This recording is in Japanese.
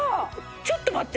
ちょっと待って。